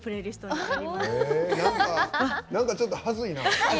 なんかちょっと恥ずいな。